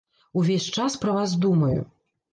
Увесь час пра вас думаю.